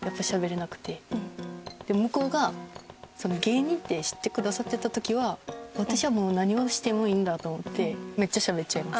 向こうが芸人って知ってくださってた時は私は何をしてもいいんだと思ってめっちゃしゃべっちゃいます。